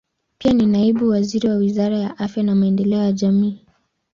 Pia ni naibu waziri wa Wizara ya Afya na Maendeleo ya Jamii.